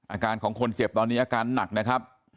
อาการของคนเจ็บตอนนี้อาการหนักนะครับ